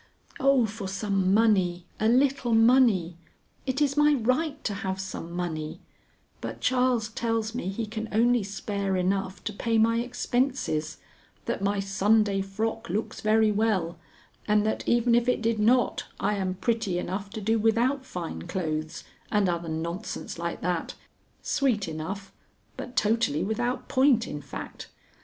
Oh, for some money! a little money! it is my right to have some money; but Charles tells me he can only spare enough to pay my expenses, that my Sunday frock looks very well, and that, even if it did not, I am pretty enough to do without fine clothes, and other nonsense like that, sweet enough, but totally without point, in fact.